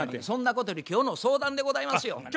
そんなことより今日の相談でございますよ。